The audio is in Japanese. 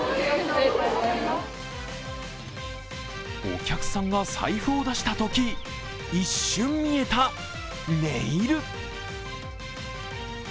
お客さんが財布を出したとき一瞬見えたネイル。